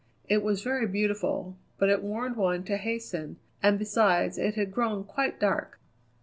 It was very beautiful, but it warned one to hasten, and besides it had grown quite dark.